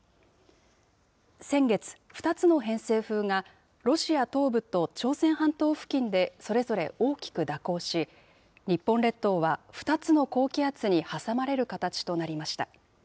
先月、２つの偏西風が、ロシア東部と朝鮮半島付近でそれぞれ大きく蛇行し、日本列島は２つの高気圧に挟まれる形となりました。